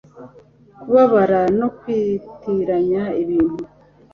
kubabara no kwitiranya ibintu